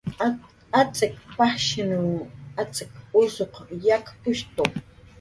Atz'ik pajshinw atz'ik usuq yakkushtu